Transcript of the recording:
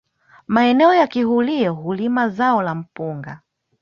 Maeneo ya kihurio hulima zao la mpunga